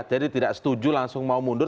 jadi tidak setuju langsung mau mundur